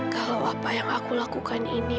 kalau apa yang aku lakukan ini